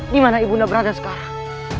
dimana ibunda berada sekarang